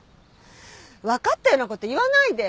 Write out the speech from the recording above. わかったような事言わないで！